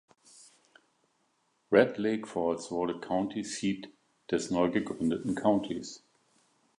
Red Lake Falls wurde County Seat des neugegründeten Countys.